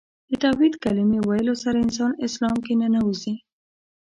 د توحید کلمې ویلو سره انسان اسلام کې ننوځي .